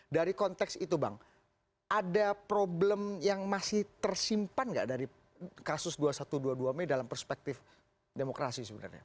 dari konteks itu bang ada problem yang masih tersimpan nggak dari kasus dua ribu satu ratus dua puluh dua mei dalam perspektif demokrasi sebenarnya